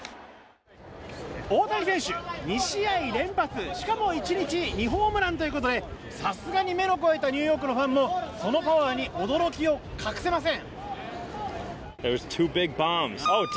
大谷選手、２試合連発しかも１日２ホームランということでさすがに目の肥えたニューヨークのファンもそのパワーに驚きを隠せません。